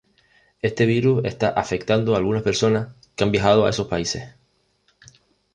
Este virus está afectando a algunas personas que han viajado a esos países.